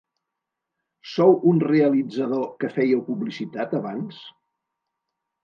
Sou un realitzador que fèieu publicitat, abans?